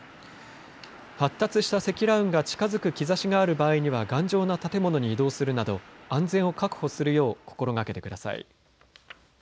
発達した積乱雲が近づく兆しがある場合には頑丈な建物に移動するなど安全を確保するよう心がけてください。